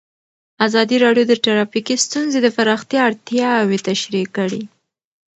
ازادي راډیو د ټرافیکي ستونزې د پراختیا اړتیاوې تشریح کړي.